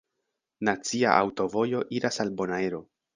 Nacia aŭtovojo iras al Bonaero.